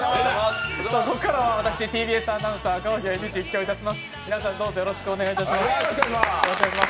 ここからはＴＢＳアナウンサー、赤荻歩が実況いたします。